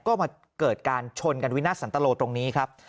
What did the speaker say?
ก็มาเกิดการชนกันวินาทสันตโลตรงนี้ครับ